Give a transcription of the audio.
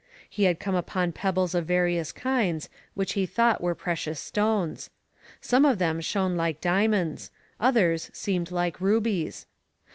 He had come upon pebbles of various kinds which he thought were precious stones. Some of them shone like diamonds; others seemed like rubies.